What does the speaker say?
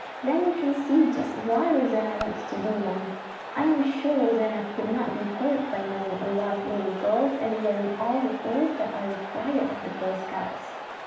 Then you can see just why Rosanna wants to be one. I am sure Rosanna could not be hurt by knowing a lot of little girls and learning all the things that are required of the Girl Scouts."